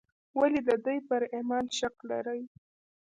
ولې د دوی پر ایمان شک لري.